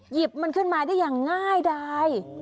หยิบมาได้ง่ายได้